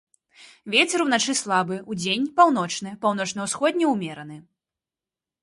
Вецер уначы слабы, удзень паўночны, паўночна-ўсходні ўмераны.